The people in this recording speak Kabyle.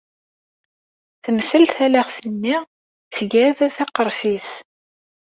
Temsel talaɣt-nni, tga-d taqerfit.